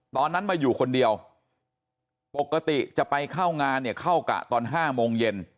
ตอนนั้นมาอยู่คนเดียวปกติจะไปเข้างานเนี่ยเข้ากะตอน๕โมงเย็น